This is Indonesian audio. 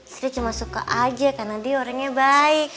saya cuma suka aja karena dia orangnya baik